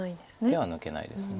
手は抜けないです。